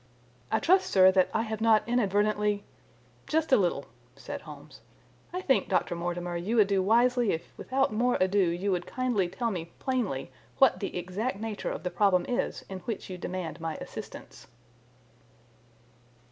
I trust, sir, that I have not inadvertently—" "Just a little," said Holmes. "I think, Dr. Mortimer, you would do wisely if without more ado you would kindly tell me plainly what the exact nature of the problem is in which you demand my assistance."